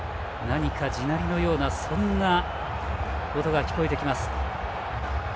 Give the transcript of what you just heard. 何か地鳴りのようなそんな音が聞こえてきます。